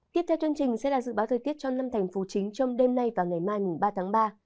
tiếp theo chương trình sẽ là dự báo thời tiết cho năm thành phố chính trong đêm nay và ngày mai ba tháng ba